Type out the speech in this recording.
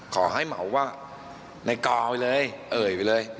ขอให้เหมาว่าในกาวไปเลยเอ่ยไปเลย